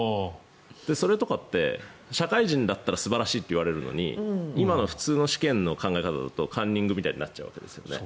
それとかって社会人だったら素晴らしいって言われるのに今の普通の試験の考え方だとカンニングみたいになっちゃうわけですよね。